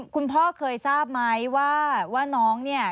คุณพ่อเคยทราบไหมว่าน้องเนี่ย